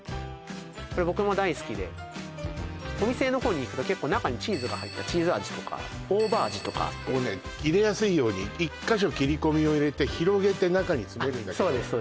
これ僕も大好きでお店の方に行くと結構中にチーズが入ったチーズ味とか大葉味とかあってこうね入れやすいように１カ所切り込みを入れて広げて中に詰めるんだけどそうです